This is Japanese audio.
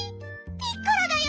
ピッコラだよ！